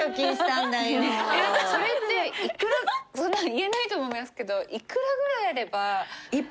それっていくらそんなの言えないと思いますけど